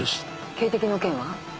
警笛の件は？